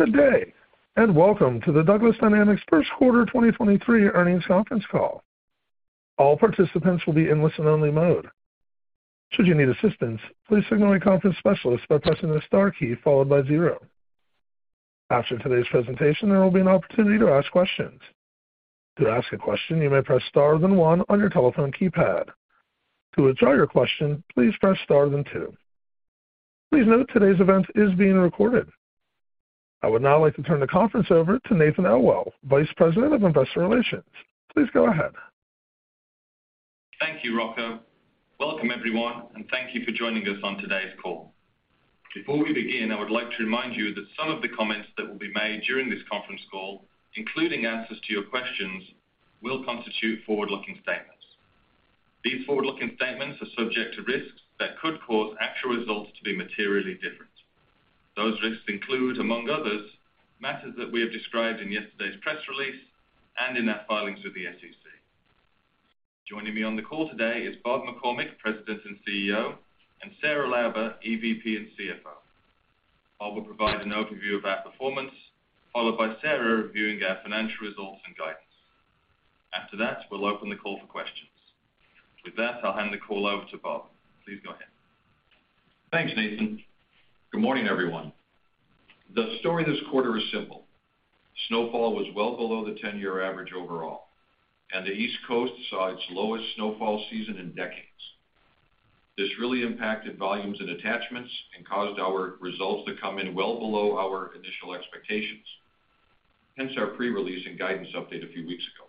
Good day, welcome to the Douglas Dynamics first quarter 2023 earnings conference call. All participants will be in listen only mode. Should you need assistance, please signal a conference specialist by pressing the star key followed by zero. After today's presentation, there will be an opportunity to ask questions. To ask a question, you may press star then one on your telephone keypad. To withdraw your question, please press star then two. Please note today's event is being recorded. I would now like to turn the conference over to Nathan Elwell, Vice President of Investor Relations. Please go ahead. Thank you, Rocco. Welcome, everyone, and thank you for joining us on today's call. Before we begin, I would like to remind you that some of the comments that will be made during this conference call, including answers to your questions, will constitute forward-looking statements. These forward-looking statements are subject to risks that could cause actual results to be materially different. Those risks include, among others, matters that we have described in yesterday's press release and in our filings with the SEC. Joining me on the call today is Bob McCormick, President and CEO, and Sarah Lauber, EVP and CFO. Bob will provide an overview of our performance, followed by Sarah reviewing our financial results and guidance. After that, we'll open the call for questions. With that, I'll hand the call over to Bob. Please go ahead. Thanks, Nathan. Good morning, everyone. The story this quarter is simple. Snowfall was well below the 10-year average overall, and the East Coast saw its lowest snowfall season in decades. This really impacted volumes and attachments and caused our results to come in well below our initial expectations, hence our pre-release and guidance update a few weeks ago.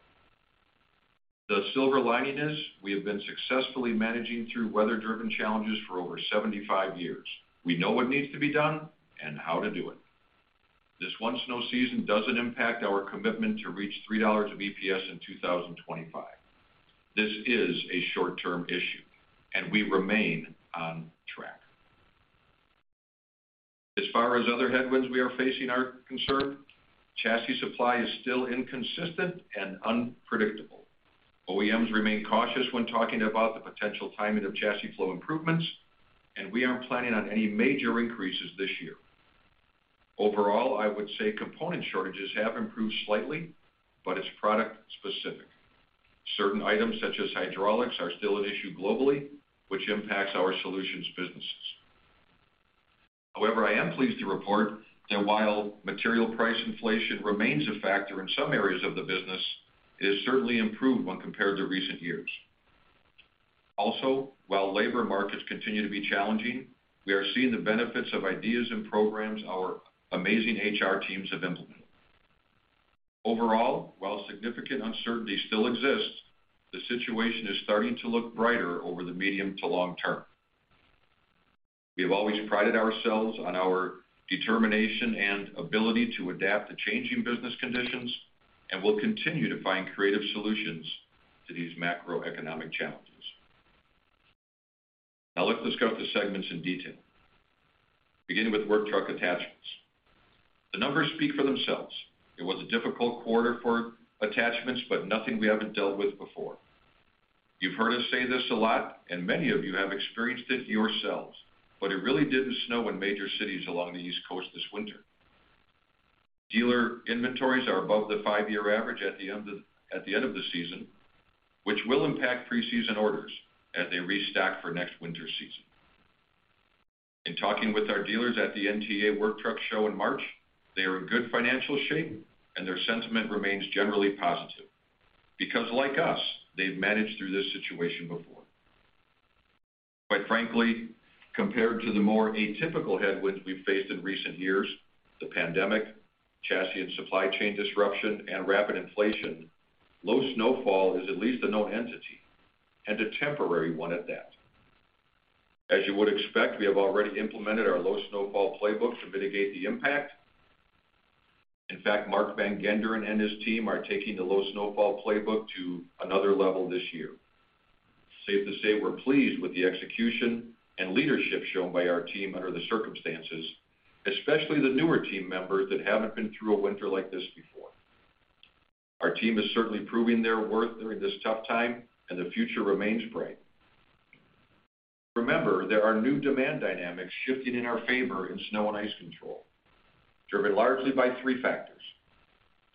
The silver lining is we have been successfully managing through weather-driven challenges for over 75 years. We know what needs to be done and how to do it. This one snow season doesn't impact our commitment to reach $3 of EPS in 2025. This is a short-term issue and we remain on track. As far as other headwinds we are facing are concerned, chassis supply is still inconsistent and unpredictable. OEMs remain cautious when talking about the potential timing of chassis flow improvements. We aren't planning on any major increases this year. Overall, I would say component shortages have improved slightly, but it's product specific. Certain items such as hydraulics are still at issue globally, which impacts our solutions businesses. However, I am pleased to report that while material price inflation remains a factor in some areas of the business, it has certainly improved when compared to recent years. While labor markets continue to be challenging, we are seeing the benefits of ideas and programs our amazing HR teams have implemented. Overall, while significant uncertainty still exists, the situation is starting to look brighter over the medium to long term. We have always prided ourselves on our determination and ability to adapt to changing business conditions and will continue to find creative solutions to these macroeconomic challenges. Now let's discuss the segments in detail. Beginning with Work Truck Attachments. The numbers speak for themselves. It was a difficult quarter for attachments, but nothing we haven't dealt with before. You've heard us say this a lot, and many of you have experienced it yourselves, but it really didn't snow in major cities along the East Coast this winter. Dealer inventories are above the 5-year average at the end of the season, which will impact preseason orders as they restock for next winter season. In talking with our dealers at the NTEA Work Truck Show in March, they are in good financial shape and their sentiment remains generally positive because like us, they've managed through this situation before. Quite frankly, compared to the more atypical headwinds we've faced in recent years, the pandemic, chassis and supply chain disruption and rapid inflation, low snowfall is at least a known entity and a temporary one at that. As you would expect, we have already implemented our low snowfall playbook to mitigate the impact. Mark Van Genderen and his team are taking the low snowfall playbook to another level this year. Safe to say we're pleased with the execution and leadership shown by our team under the circumstances, especially the newer team members that haven't been through a winter like this before. Our team is certainly proving their worth during this tough time and the future remains bright. There are new demand dynamics shifting in our favor in snow and ice control, driven largely by three factors.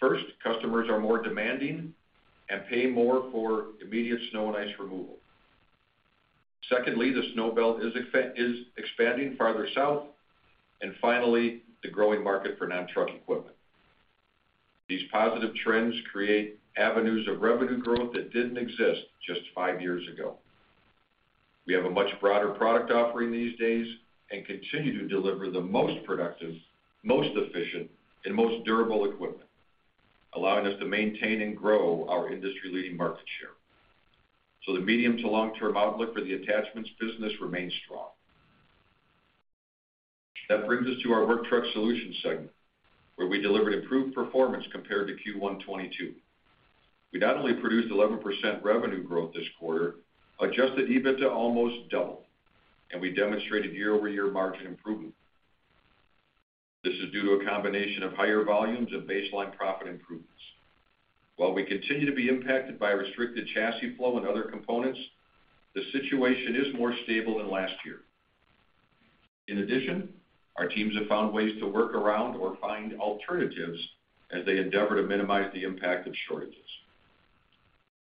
First, customers are more demanding and pay more for immediate snow and ice removal. Secondly, the snow belt is expanding farther south. Finally, the growing market for non-truck equipment. These positive trends create avenues of revenue growth that didn't exist just five years ago. We have a much broader product offering these days and continue to deliver the most productive, most efficient, and most durable equipment, allowing us to maintain and grow our industry-leading market share. The medium to long-term outlook for the attachments business remains strong. That brings us to our Work Truck Solutions segment, where we delivered improved performance compared to Q1 2022. We not only produced 11% revenue growth this quarter, adjusted EBITDA almost doubled, and we demonstrated year-over-year margin improvement. This is due to a combination of higher volumes and baseline profit improvements. While we continue to be impacted by restricted chassis flow and other components, the situation is more stable than last year. Our teams have found ways to work around or find alternatives as they endeavor to minimize the impact of shortages.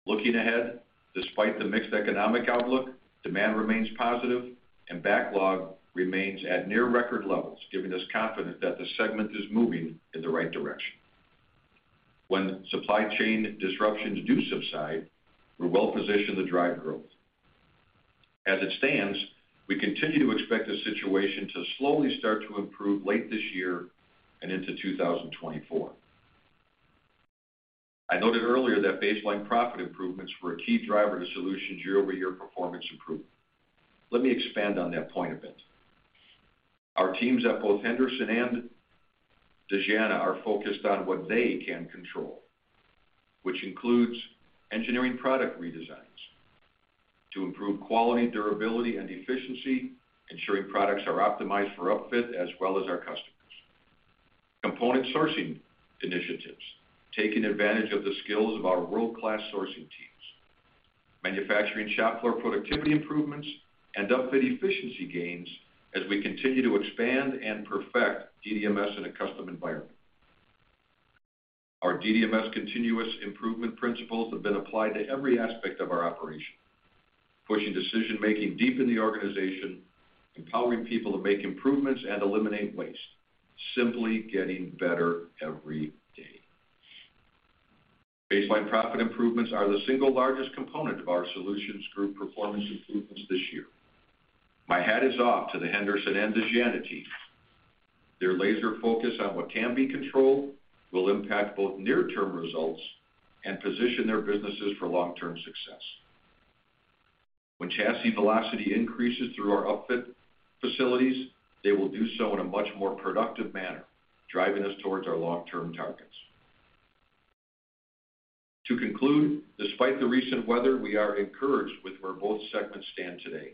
Looking ahead, despite the mixed economic outlook, demand remains positive and backlog remains at near record levels, giving us confidence that the segment is moving in the right direction. When supply chain disruptions do subside, we're well-positioned to drive growth. As it stands, we continue to expect the situation to slowly start to improve late this year and into 2024. I noted earlier that baseline profit improvements were a key driver to Solutions year-over-year performance improvement. Let me expand on that point a bit. Our teams at both Henderson and Dejana are focused on what they can control, which includes engineering product redesigns to improve quality, durability and efficiency, ensuring products are optimized for upfit as well as our customers, component sourcing initiatives, taking advantage of the skills of our world-class sourcing teams, manufacturing shop floor productivity improvements and upfit efficiency gains as we continue to expand and perfect DDMS in a custom environment. Our DDMS continuous improvement principles have been applied to every aspect of our operation, pushing decision-making deep in the organization, empowering people to make improvements and eliminate waste, simply getting better every day. Baseline profit improvements are the single largest component of our Solutions group performance improvements this year. My hat is off to the Henderson and Dejana team. Their laser focus on what can be controlled will impact both near-term results and position their businesses for long-term success. When chassis velocity increases through our upfit facilities, they will do so in a much more productive manner, driving us towards our long-term targets. To conclude, despite the recent weather, we are encouraged with where both segments stand today.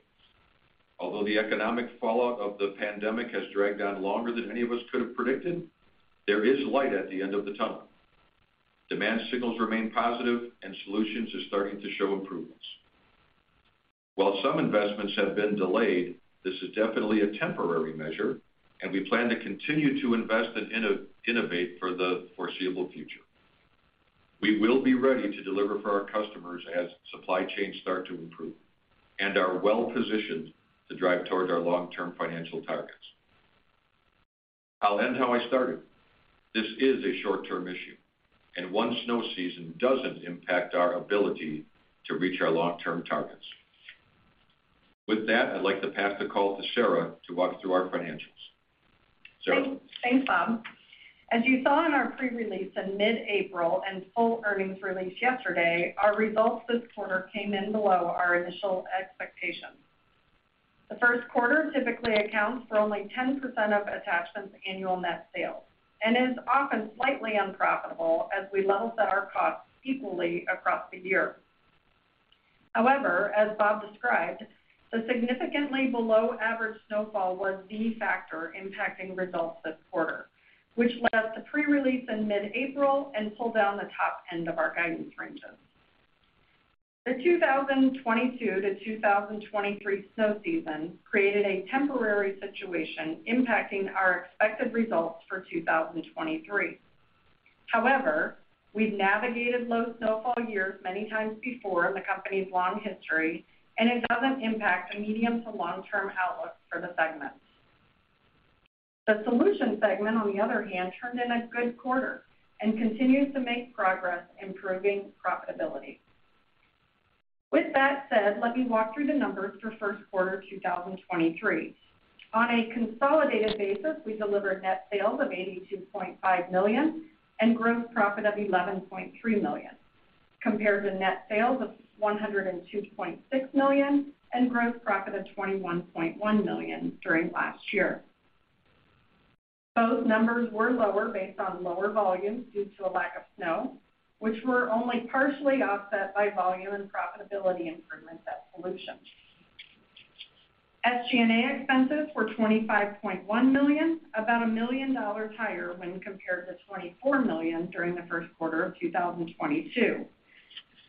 Although the economic fallout of the pandemic has dragged on longer than any of us could have predicted, there is light at the end of the tunnel. Demand signals remain positive and Solutions is starting to show improvements. While some investments have been delayed, this is definitely a temporary measure, and we plan to continue to invest and innovate for the foreseeable future. We will be ready to deliver for our customers as supply chains start to improve and are well-positioned to drive toward our long-term financial targets. I'll end how I started. This is a short-term issue, and one snow season doesn't impact our ability to reach our long-term targets. With that, I'd like to pass the call to Sarah to walk through our financials. Sarah? Thanks. Thanks, Bob. As you saw in our pre-release in mid-April and full earnings release yesterday, our results this quarter came in below our initial expectations. The first quarter typically accounts for only 10% of Attachments annual net sales and is often slightly unprofitable as we level set our costs equally across the year. As Bob described, the significantly below average snowfall was the factor impacting results this quarter, which led us to pre-release in mid-April and pull down the top end of our guidance ranges. The 2022 to 2023 snow season created a temporary situation impacting our expected results for 2023. We've navigated low snowfall years many times before in the company's long history, and it doesn't impact the medium to long-term outlook for the segments. The Solutions segment, on the other hand, turned in a good quarter and continues to make progress improving profitability. With that said, let me walk through the numbers for first quarter 2023. On a consolidated basis, we delivered net sales of $82.5 million and gross profit of $11.3 million, compared to net sales of $102.6 million and gross profit of $21.1 million during last year. Both numbers were lower based on lower volumes due to a lack of snow, which were only partially offset by volume and profitability improvements at Solutions. SG&A expenses were $25.1 million, about $1 million higher when compared to $24 million during the first quarter of 2022.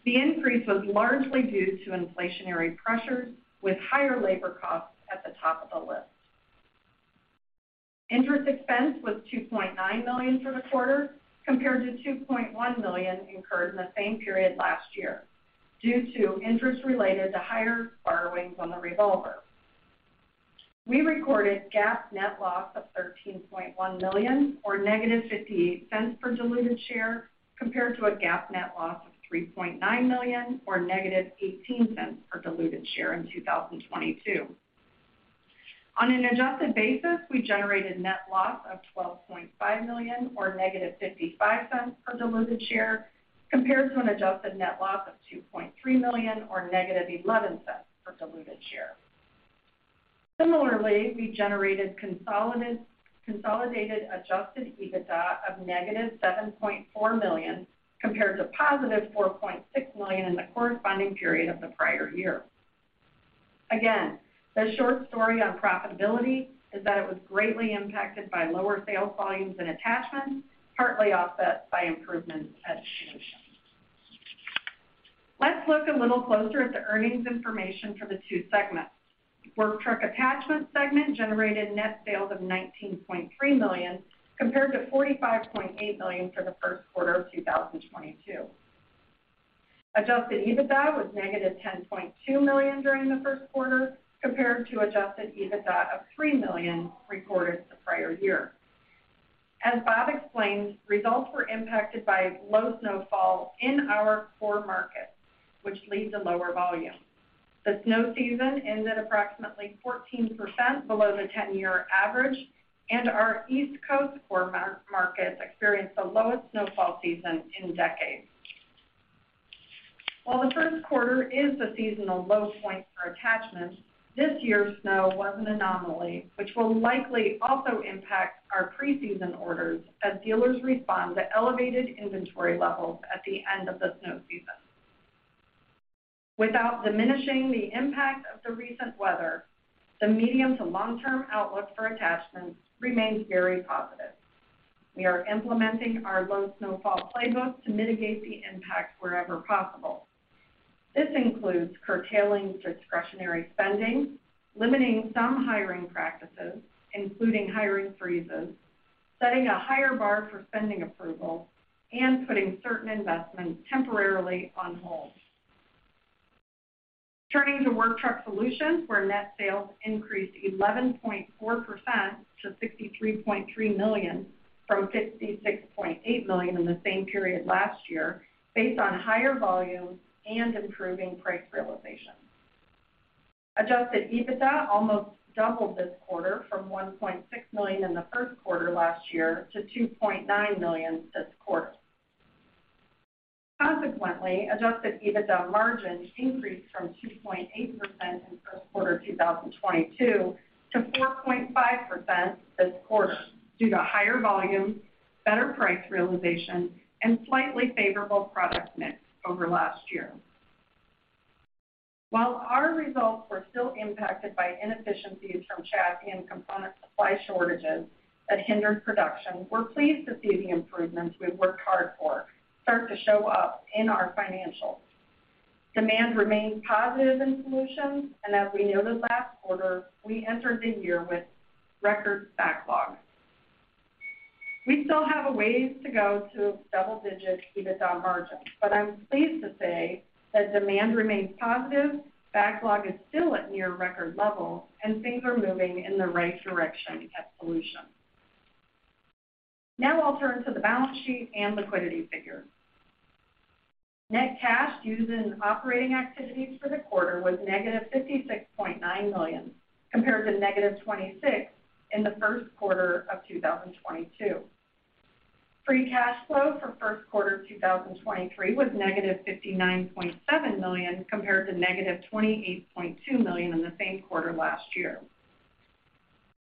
The increase was largely due to inflationary pressures with higher labor costs at the top of the list. Interest expense was $2.9 million for the quarter, compared to $2.1 million incurred in the same period last year due to interest related to higher borrowings on the revolver. We recorded GAAP net loss of $13.1 million or negative $0.58 per diluted share, compared to a GAAP net loss of $3.9 million or negative $0.18 per diluted share in 2022. On an adjusted basis, we generated net loss of $12.5 million or negative $0.55 per diluted share, compared to an adjusted net loss of $2.3 million or negative $0.11 per diluted share. Similarly, we generated consolidated Adjusted EBITDA of negative $7.4 million, compared to positive $4.6 million in the corresponding period of the prior year. The short story on profitability is that it was greatly impacted by lower sales volumes and attachments, partly offset by improvements at Solutions. Let's look a little closer at the earnings information for the two segments. Work Truck Attachments segment generated net sales of $19.3 million, compared to $45.8 million for the first quarter of 2022. Adjusted EBITDA was negative $10.2 million during the first quarter, compared to Adjusted EBITDA of $3 million recorded the prior year. As Bob explained, results were impacted by low snowfall in our core markets, which leads to lower volume. The snow season ended approximately 14% below the 10-year average. Our East Coast core market experienced the lowest snowfall season in decades. While the first quarter is the seasonal low point for attachments, this year's snow was an anomaly, which will likely also impact our pre-season orders as dealers respond to elevated inventory levels at the end of the snow season. Without diminishing the impact of the recent weather, the medium to long-term outlook for attachments remains very positive. We are implementing our low snowfall playbook to mitigate the impact wherever possible. This includes curtailing discretionary spending, limiting some hiring practices, including hiring freezes, setting a higher bar for spending approval, and putting certain investments temporarily on hold. Turning to Work Truck Solutions, where net sales increased 11.4% to $63.3 million from $56.8 million in the same period last year based on higher volume and improving price realization. Adjusted EBITDA almost doubled this quarter from $1.6 million in the first quarter last year to $2.9 million this quarter. Consequently, adjusted EBITDA margin increased from 2.8% in first quarter 2022 to 4.5% this quarter due to higher volume, better price realization, and slightly favorable product mix over last year. While our results were still impacted by inefficiencies from chat and component supply shortages that hindered production, we're pleased to see the improvements we've worked hard for start to show up in our financials. Demand remains positive in Solutions. As we noted last quarter, we entered the year with record backlog. We still have a ways to go to double-digit EBITDA margins. I'm pleased to say that demand remains positive, backlog is still at near record levels, and things are moving in the right direction at Solutions. Now I'll turn to the balance sheet and liquidity figures. Net cash used in operating activities for the quarter was negative $56.9 million, compared to negative $26 million in the first quarter of 2022. Free cash flow for first quarter 2023 was negative $59.7 million compared to negative $28.2 million in the same quarter last year.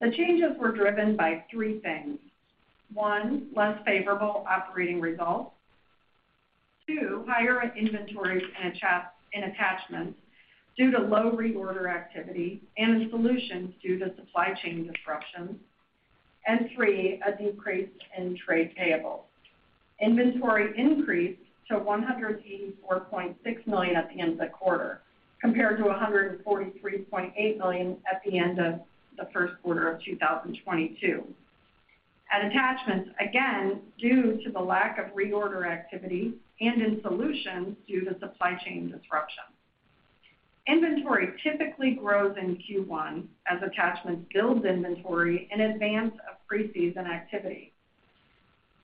The changes were driven by three things. One, less favorable operating results. Two, higher inventories in Attachments due to low reorder activity and in Solutions due to supply chain disruptions. Three, a decrease in trade payables. Inventory increased to $184.6 million at the end of the quarter, compared to $143.8 million at the end of the first quarter of 2022. At Attachments, again, due to the lack of reorder activity and in Solutions due to supply chain disruptions. Inventory typically grows in Q1 as Attachments builds inventory in advance of preseason activity.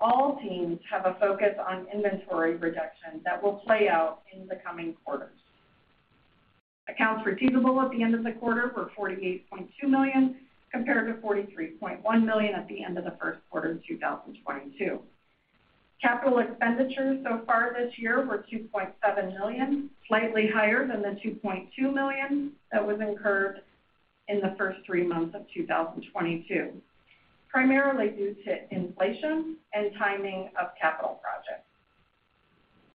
All teams have a focus on inventory reduction that will play out in the coming quarters. Accounts receivable at the end of the quarter were $48.2 million, compared to $43.1 million at the end of the first quarter of 2022. Capital expenditures so far this year were $2.7 million, slightly higher than the $2.2 million that was incurred in the first three months of 2022, primarily due to inflation and timing of capital projects.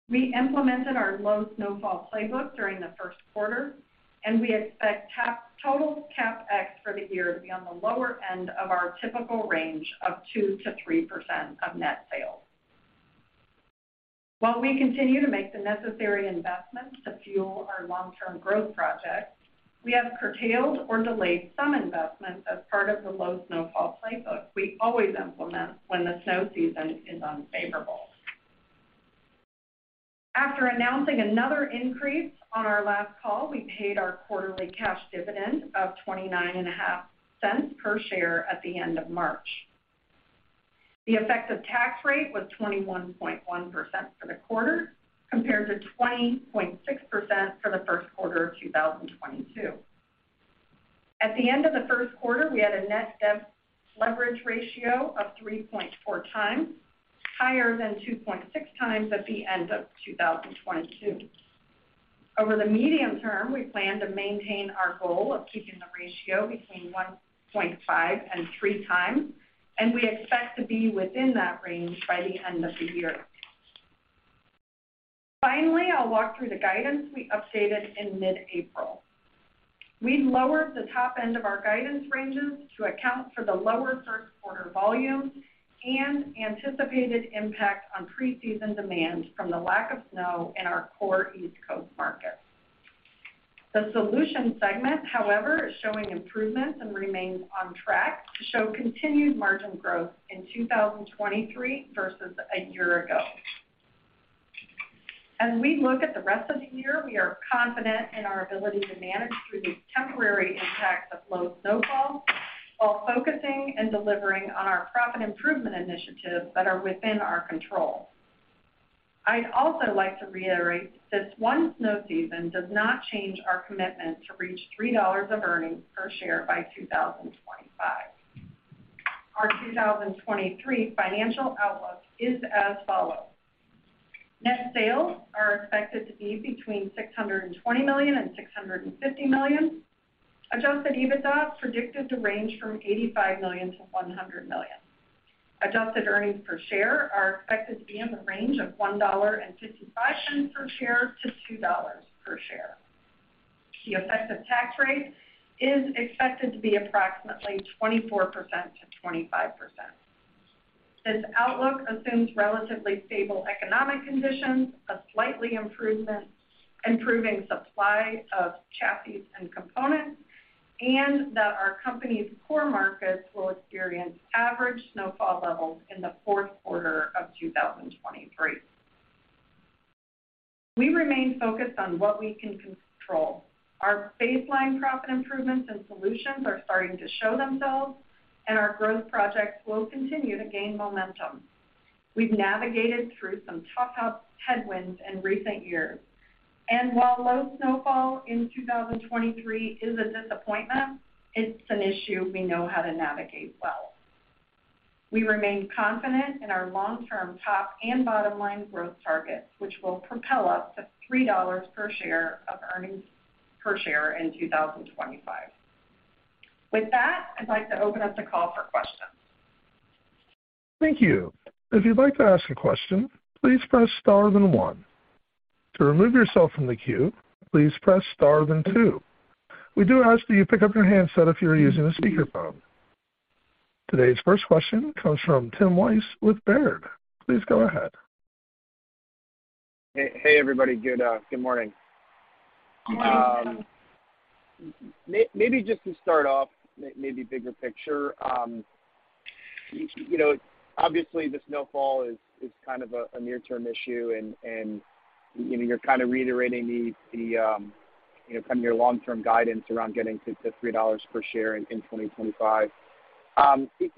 We implemented our low snowfall playbook during the first quarter, and we expect total CapEx for the year to be on the lower end of our typical range of 2%-3% of net sales. While we continue to make the necessary investments to fuel our long-term growth projects, we have curtailed or delayed some investments as part of the low snowfall playbook we always implement when the snow season is unfavorable. After announcing another increase on our last call, we paid our quarterly cash dividend of $0.295 per share at the end of March. The effective tax rate was 21.1% for the quarter, compared to 20.6% for the first quarter of 2022. At the end of the first quarter, we had a net debt leverage ratio of 3.4 times, higher than 2.6 times at the end of 2022. Over the medium term, we plan to maintain our goal of keeping the ratio between 1.5 and 3 times, and we expect to be within that range by the end of the year. I'll walk through the guidance we updated in mid-April. We lowered the top end of our guidance ranges to account for the lower third quarter volume and anticipated impact on preseason demand from the lack of snow in our core East Coast market. The solutions segment, however, is showing improvements and remains on track to show continued margin growth in 2023 versus a year ago. As we look at the rest of the year, we are confident in our ability to manage through these temporary impacts of low snowfall while focusing and delivering on our profit improvement initiatives that are within our control. I'd also like to reiterate that one snow season does not change our commitment to reach $3 of earnings per share by 2025. Our 2023 financial outlook is as follows. Net sales are expected to be between $620 million and $650 million. Adjusted EBITDA is predicted to range from $85 million to $100 million. Adjusted earnings per share are expected to be in the range of $1.55-$2 per share. The effective tax rate is expected to be approximately 24%-25%. This outlook assumes relatively stable economic conditions, a slightly improving supply of chassis and components, and that our company's core markets will experience average snowfall levels in the fourth quarter of 2023. We remain focused on what we can control. Our baseline profit improvements and solutions are starting to show themselves, and our growth projects will continue to gain momentum. We've navigated through some tough headwinds in recent years, and while low snowfall in 2023 is a disappointment, it's an issue we know how to navigate well. We remain confident in our long-term top and bottom line growth targets, which will propel us to $3 per share of earnings per share in 2025. With that, I'd like to open up the call for questions. Thank you. If you'd like to ask a question, please press Star then one. To remove yourself from the queue, please press Star then two. We do ask that you pick up your handset if you're using a speakerphone. Today's first question comes from Tim Wojs with Baird. Please go ahead. Hey, everybody. Good, good morning. Good morning. Maybe just to start off, maybe bigger picture. You know, obviously, the snowfall is kind of a near-term issue, and you're kind of reiterating the, you know, kind of your long-term guidance around getting to $3 per share in 2025.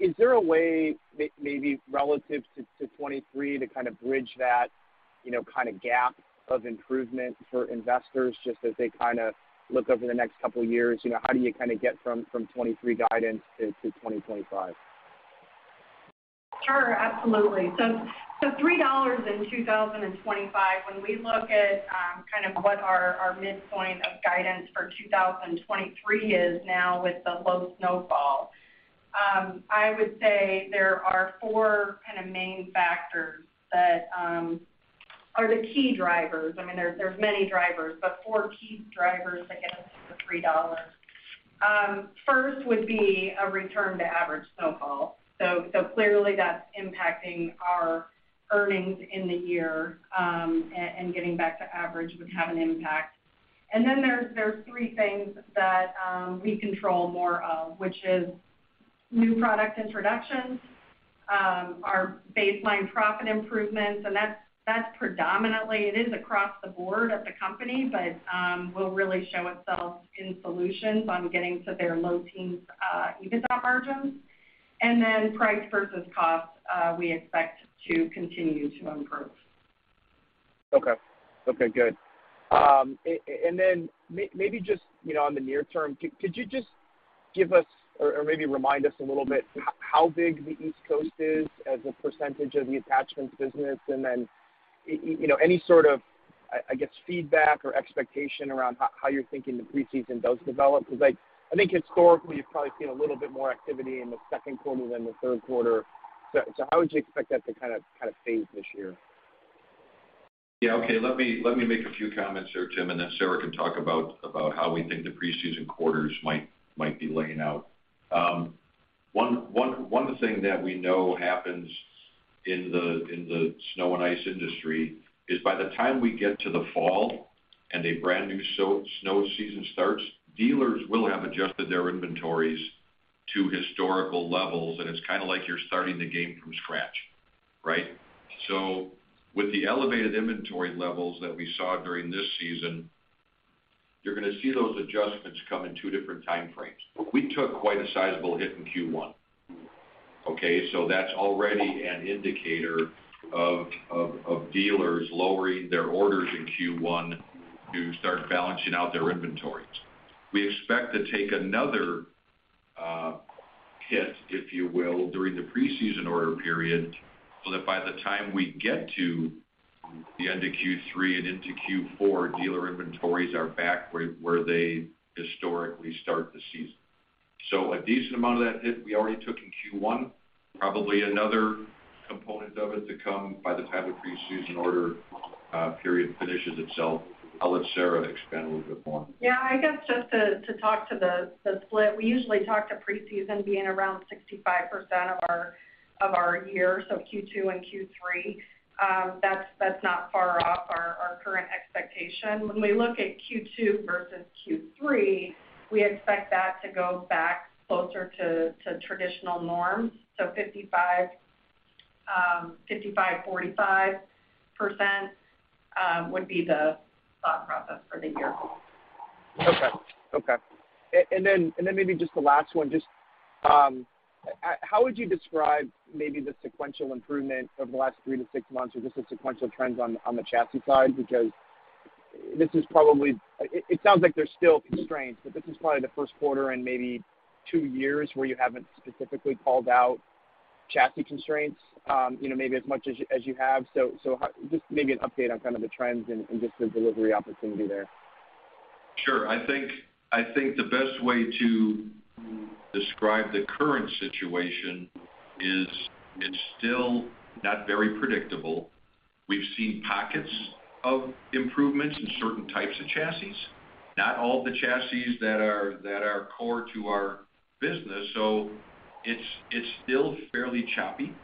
Is there a way maybe relative to 2023 to kind of bridge that, you know, kind of gap of improvement for investors just as they kinda look over the next couple of years? You know, how do you kinda get from 2023 guidance to 2025? Sure. Absolutely. $3 in 2025, when we look at kind of what our midpoint of guidance for 2023 is now with the low snowfall, I would say there are four kind of main factors that are the key drivers. I mean, there's many drivers, but four key drivers that get us to $3. First would be a return to average snowfall. Clearly, that's impacting our earnings in the year, and getting back to average would have an impact. Then there's three things that we control more of, which is new product introductions, our baseline profit improvements, and that's predominantly it is across the board at the company, but will really show itself in solutions on getting to their low teens EBITDA margins. Then price versus cost, we expect to continue to improve. Okay. Okay, good. Maybe just, you know, on the near term, could you just give us or maybe remind us a little bit how big the East Coast is as a percentage of the attachments business? You know, any sort of, I guess, feedback or expectation around how you're thinking the preseason does develop? Because, like, I think historically, you've probably seen a little bit more activity in the second quarter than the third quarter. How would you expect that to kinda phase this year? Yeah. Okay. Let me make a few comments there, Tim, and then Sarah can talk about how we think the preseason quarters might be laying out. One thing that we know happens in the snow and ice industry is by the time we get to the fall and a brand new snow season starts, dealers will have adjusted their inventories to historical levels, and it's kinda like you're starting the game from scratch, right? With the elevated inventory levels that we saw during this season, you're gonna see those adjustments come in two different time frames. We took quite a sizable hit in Q1, okay? That's already an indicator of dealers lowering their orders in Q1 to start balancing out their inventories. We expect to take another hit, if you will, during the preseason order period, so that by the time we get to the end of Q3 and into Q4, dealer inventories are back where they historically start the season. A decent amount of that hit we already took in Q1, probably another component of it to come by the time the preseason order period finishes itself. I'll let Sarah expand a little bit more. Yeah. I guess just to talk to the split, we usually talk to preseason being around 65% of our year, so Q2 and Q3. That's not far off our current expectation. When we look at Q2 versus Q3, we expect that to go back closer to traditional norms. Fifty-five, 45% would be the thought process for the year. Okay. Okay. Then maybe just the last one, just, how would you describe maybe the sequential improvement over the last 3-6 months or just the sequential trends on the chassis side? It sounds like there's still constraints, but this is probably the first quarter in maybe two years where you haven't specifically called out chassis constraints, you know, maybe as much as you have. Just maybe an update on kind of the trends and just the delivery opportunity there. Sure. I think the best way to describe the current situation is it's still not very predictable. We've seen pockets of improvements in certain types of chassis, not all the chassis that are core to our business. It's still fairly choppy.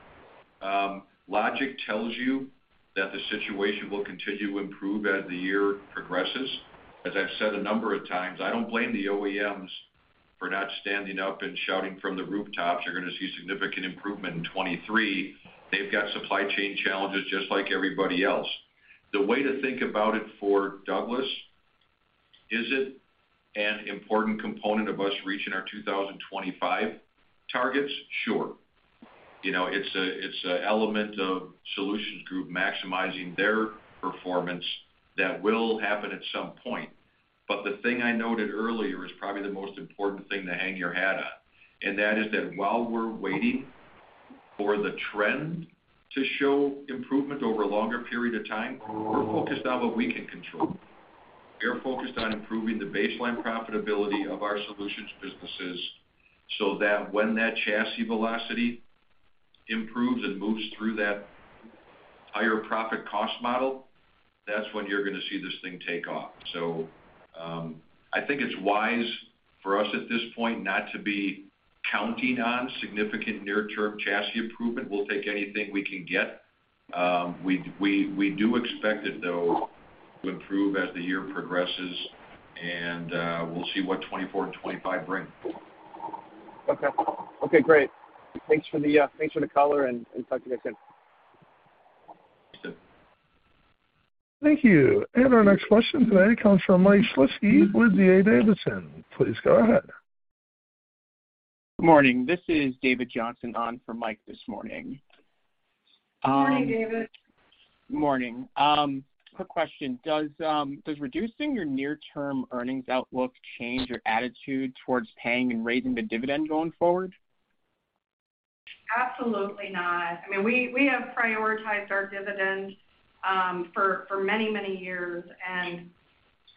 Logic tells you that the situation will continue to improve as the year progresses. As I've said a number of times, I don't blame the OEMs for not standing up and shouting from the rooftops, "You're gonna see significant improvement in 23." They've got supply chain challenges just like everybody else. The way to think about it for Douglas, is it an important component of us reaching our 2025 targets? Sure. You know, it's an element of solutions group maximizing their performance that will happen at some point. The thing I noted earlier is probably the most important thing to hang your hat on, and that is that while we're waiting for the trend to show improvement over a longer period of time, we're focused on what we can control. We are focused on improving the baseline profitability of our solutions businesses so that when that chassis velocity improves and moves through that higher profit cost model, that's when you're gonna see this thing take off. I think it's wise for us at this point not to be counting on significant near-term chassis improvement. We'll take anything we can get. We do expect it though to improve as the year progresses, and we'll see what 2024 and 2025 bring. Okay. Okay, great. Thanks for the thanks for the color and talk to you next time. Thanks. Thank you. Our next question today comes from Mike Shlisky with D.A. Davidson. Please go ahead. Good morning. This is David Johnson on for Mike this morning. Good morning, David. Good morning. Quick question. Does reducing your near-term earnings outlook change your attitude towards paying and raising the dividend going forward? Absolutely not. I mean, we have prioritized our dividend, for many, many years,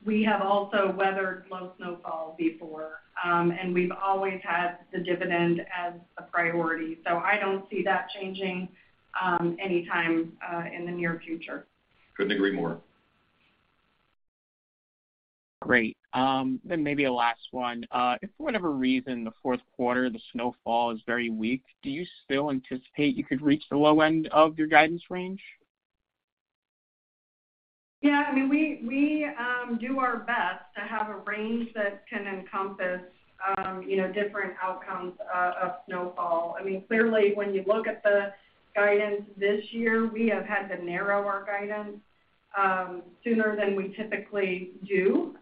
we have also weathered low snowfall before. We've always had the dividend as a priority. I don't see that changing, anytime, in the near future. Couldn't agree more. Great. Maybe a last one. If for whatever reason, the fourth quarter, the snowfall is very weak, do you still anticipate you could reach the low end of your guidance range? Yeah. I mean, we do our best to have a range that can encompass, you know, different outcomes of snowfall. I mean, clearly, when you look at the guidance this year, we have had to narrow our guidance sooner than we typically do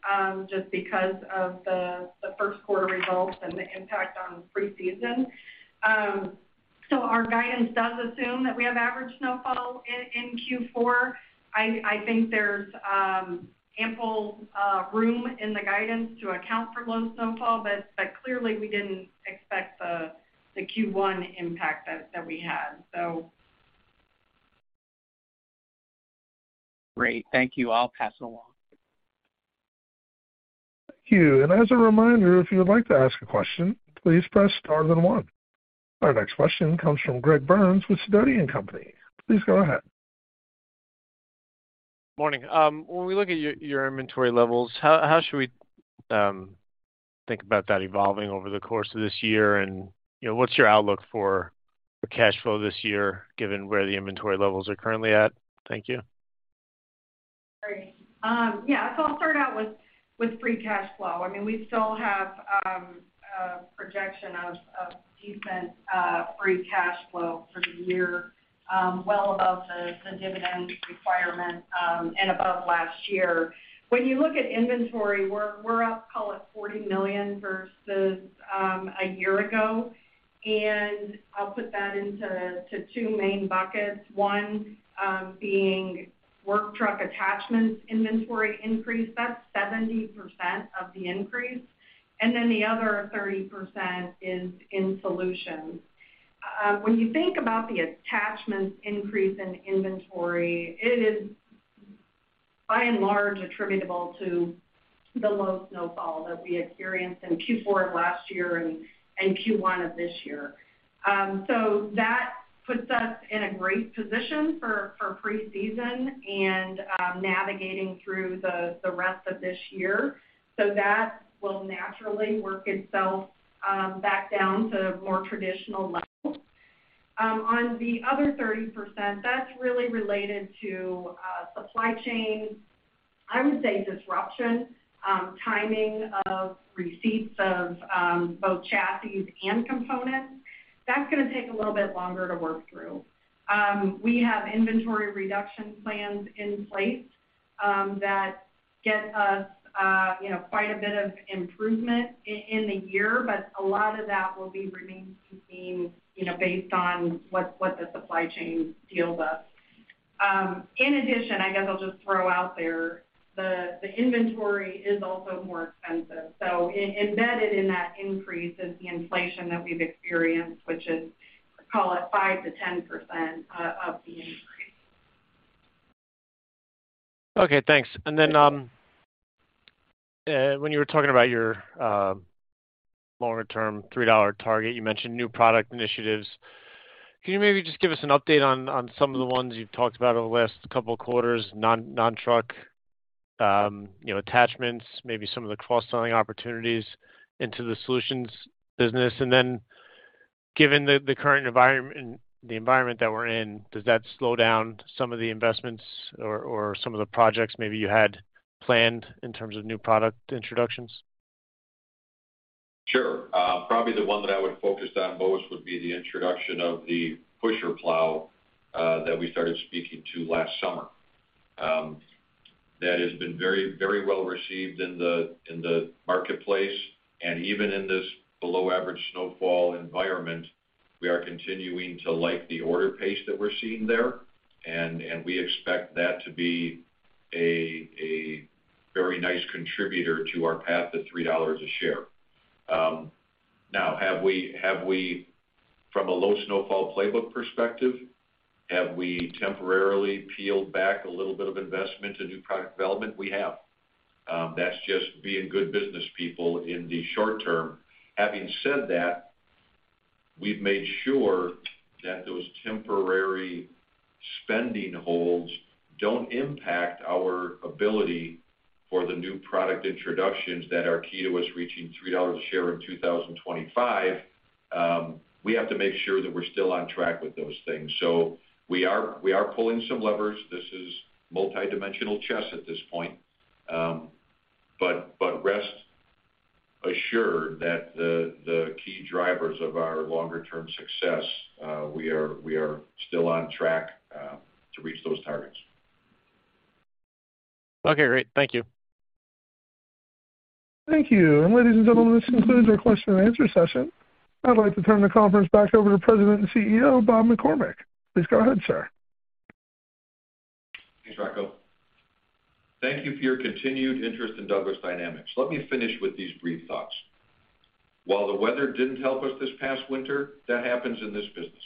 just because of the first quarter results and the impact on preseason. Our guidance does assume that we have average snowfall in Q4. I think there's ample room in the guidance to account for low snowfall, but clearly we didn't expect the Q1 impact that we had, so. Great. Thank you. I'll pass it along. Thank you. As a reminder, if you would like to ask a question, please press star then one. Our next question comes from Greg Burns with Sidoti & Company. Please go ahead. Morning. When we look at your inventory levels, how should we think about that evolving over the course of this year? You know, what's your outlook for the cash flow this year, given where the inventory levels are currently at? Thank you. Great. I'll start out with free cash flow. I mean, we still have a projection of decent free cash flow for the year, well above the dividend requirement and above last year. When you look at inventory, we're up, call it $40 million versus a year ago, and I'll put that into two main buckets. One, being Work Truck Attachments inventory increase. That's 70% of the increase. The other 30% is in Work Truck Solutions. When you think about the attachments increase in inventory. By and large attributable to the low snowfall that we experienced in Q4 of last year and Q1 of this year. That puts us in a great position for pre-season and navigating through the rest of this year. That will naturally work itself back down to more traditional levels. On the other 30%, that's really related to supply chain, I would say disruption, timing of receipts of both chassis and components. That's gonna take a little bit longer to work through. We have inventory reduction plans in place that get us, you know, quite a bit of improvement in the year, but a lot of that will be remaining the same, you know, based on what the supply chain deals us. In addition, I guess I'll just throw out there the inventory is also more expensive. Embedded in that increase is the inflation that we've experienced, which is, call it 5%-10% of the increase. Okay, thanks. When you were talking about your longer term $3 target, you mentioned new product initiatives. Can you maybe just give us an update on some of the ones you've talked about over the last couple of quarters, non-truck, you know, attachments, maybe some of the cross-selling opportunities into the Solutions business? Given the current environment that we're in, does that slow down some of the investments or some of the projects maybe you had planned in terms of new product introductions? Sure. Probably the one that I would've focused on most would be the introduction of the pusher plow that we started speaking to last summer. That has been very, very well received in the marketplace. Even in this below average snowfall environment, we are continuing to like the order pace that we're seeing there, and we expect that to be a very nice contributor to our path to $3 a share. Now have we from a low snowfall playbook perspective, have we temporarily peeled back a little bit of investment to new product development? We have. That's just being good business people in the short term. Having said that, we've made sure that those temporary spending holds don't impact our ability for the new product introductions that are key to us reaching $3 a share in 2025. We have to make sure that we're still on track with those things. We are pulling some levers. This is multidimensional chess at this point. Rest assured that the key drivers of our longer term success, we are still on track to reach those targets. Okay, great. Thank you. Thank you. Ladies and gentlemen, this concludes our question and answer session. I'd like to turn the conference back over to President and CEO, Bob McCormick. Please go ahead, sir. Thanks, Michael. Thank you for your continued interest in Douglas Dynamics. Let me finish with these brief thoughts. While the weather didn't help us this past winter, that happens in this business.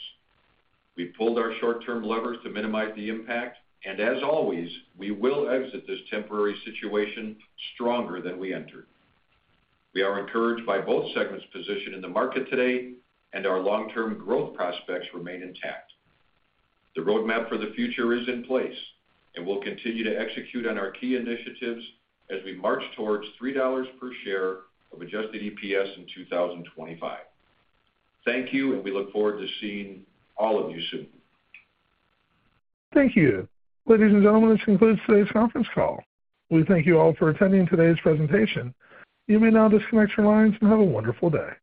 We pulled our short-term levers to minimize the impact, and as always, we will exit this temporary situation stronger than we entered. We are encouraged by both segments' position in the market today, and our long-term growth prospects remain intact. The roadmap for the future is in place, and we'll continue to execute on our key initiatives as we march towards $3 per share of adjusted EPS in 2025. Thank you, and we look forward to seeing all of you soon. Thank you. Ladies and gentlemen, this concludes today's conference call. We thank you all for attending today's presentation. You may now disconnect your lines and have a wonderful day.